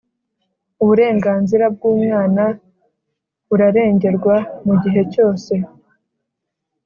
Uburenganzira bw’umwana burarengerwa mu gihe cyose.